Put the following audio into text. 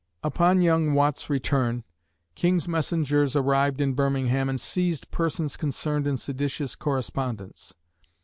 Upon young Watt's return, king's messengers arrived in Birmingham and seized persons concerned in seditious correspondence.